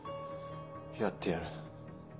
やってやる。